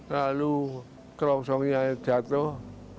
lalu kromsongnya jatuh